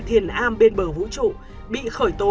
thiền am bên bờ vũ trụ bị khởi tố